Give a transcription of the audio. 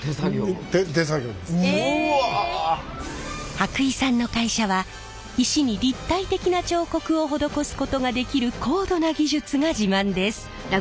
伯井さんの会社は石に立体的な彫刻を施すことができる高度な技術が自慢です。